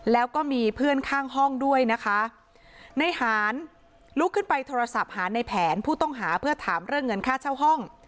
แล้วก็มีเพื่อนข้างห้องด้วยนะคะในหารลุกขึ้นไปโทรศัพท์หาในแผนผู้ต้องหาเพื่อถามเรื่องเงินค่าเช่าห้อง